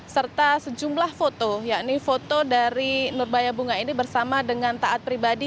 serta sejumlah foto yakni foto dari nurbaya bunga ini bersama dengan taat pribadi